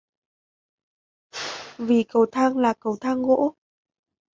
Vì cầu thang là cầu thang gỗ